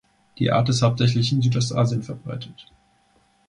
Die Art ist hauptsächlich in Südostasien verbreitet.